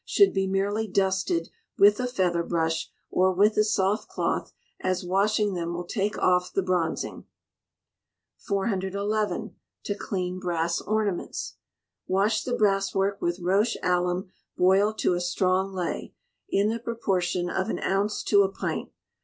should be merely dusted with a feather brush, or with a soft cloth, as washing them will take off the bronzing. 411. To clean Brass Ornaments. Wash the brasswork with roche alum boiled to a strong ley, in the proportion of an ounce to a pint.